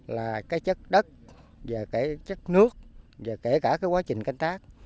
là cái chất đất và cái chất nước và kể cả cái quá trình canh tác